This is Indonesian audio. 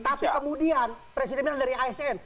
tapi kemudian presiden bilang dari asn